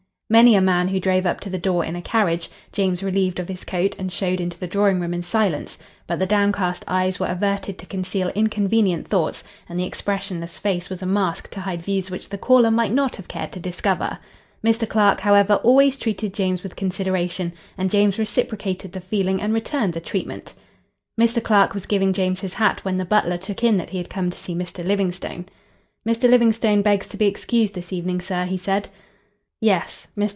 Many a man who drove up to the door in a carriage, James relieved of his coat and showed into the drawing room in silence; but the downcast eyes were averted to conceal inconvenient thoughts and the expressionless face was a mask to hide views which the caller might not have cared to discover. Mr. Clark, however, always treated James with consideration, and James reciprocated the feeling and returned the treatment. Mr. Clark was giving James his hat when the butler took in that he had come to see Mr. Livingstone. "Mr. Livingstone begs to be excused this evening, sir," he said. "Yes." Mr.